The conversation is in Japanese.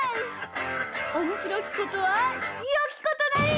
「おもしろきことはよきことなり」！